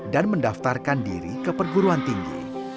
dan mendaftarkan diri ke perguruan tinggi